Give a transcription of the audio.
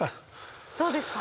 どうですか？